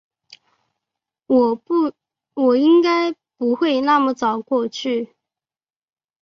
我应该不会那么早过去